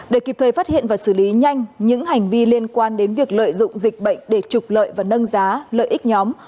để kịp thời phát hiện và xử lý nhanh những hành vi liên quan đến việc lợi dụng dịch bệnh để trục lợi và nâng giá lợi ích nhóm